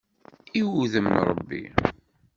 I wuddem n Ṛebbi!